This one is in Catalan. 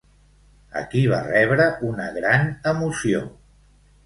Aquí va rebre una gran emoció.